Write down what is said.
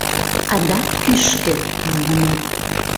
— Адак кӱшкӧ! — ойлынет.